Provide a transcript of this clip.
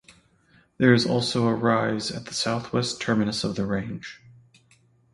There is also a rise at the southwest terminus of the range.